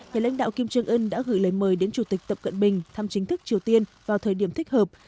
nhà lãnh đạo kim trương ưn đã gửi lời mời đến chủ tịch tập cận bình thăm chính thức triều tiên vào thời điểm thích hợp